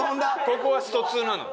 ここは『ストⅡ』なの。